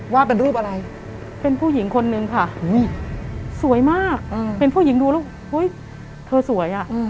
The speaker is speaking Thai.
ว่าเป็นรูปอะไรเป็นผู้หญิงคนนึงค่ะสวยมากเป็นผู้หญิงดูแล้วเธอสวยอ่ะ